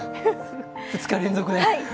２日連続で。